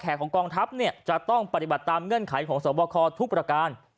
ของกองทัพเนี่ยจะต้องปฏิบัติตามเงื่อนไขของสวบคทุกประการ